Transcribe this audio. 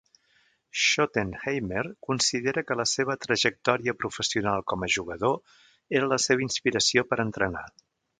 Schottenheimer considera que la seva trajectòria professional com a jugador era la seva inspiració per entrenar.